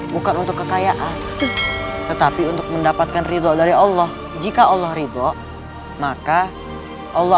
bukan untuk kekayaan tetapi untuk mendapatkan ridho dari allah jika allah ridho maka allah